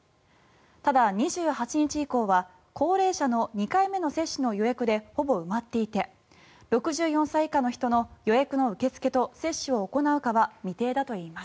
ただ、２８日以降は高齢者の２回目の接種の予約でほぼ埋まっていて６４歳以下の人の予約の受け付けと接種を行うかは未定だといいます。